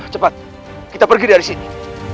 cepat kita pergi dari sini